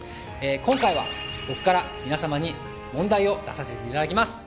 今回は僕から皆さまに問題を出させていただきます。